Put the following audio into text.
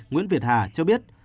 nguyễn việt hà cho biết